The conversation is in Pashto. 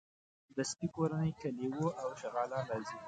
د سپي کورنۍ کې لېوه او شغالان راځي.